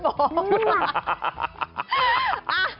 โอ้โหใครปรง